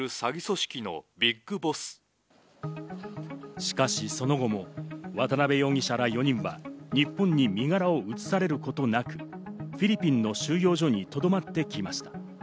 しかし、その後も渡辺容疑者ら４人は日本に身柄を移されることなく、フィリピンの収容所にとどまってきました。